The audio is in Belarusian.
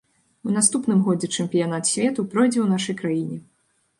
У наступным годзе чэмпіянат свету пройдзе ў нашай краіне.